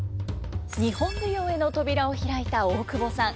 日本舞踊への扉を開いた大久保さん。